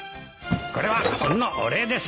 これはほんのお礼です。